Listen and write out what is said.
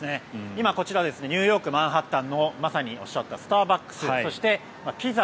今、こちらニューヨーク・マンハッタンのまさにおっしゃったスターバックス、そしてピザ